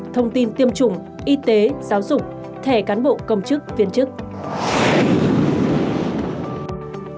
thông tin tiêm chủng y tế giáo dục thẻ cán bộ công chức viên chức